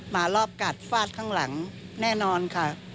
มารอบกัดฟาดข้างหลังแน่นอนค่ะ